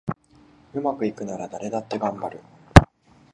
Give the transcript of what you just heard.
うまくいくなら誰だってがんばる